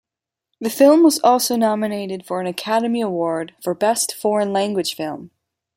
The film was also nominated for an Academy Award for Best Foreign Language Film.